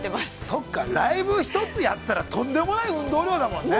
◆そっか、ライブ一つやったら、とんでもない運動量だもんね。